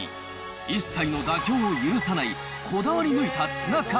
一切の妥協を許さない、こだわり抜いたツナ缶。